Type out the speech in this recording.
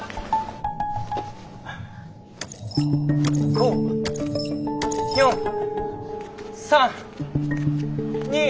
５４３２１。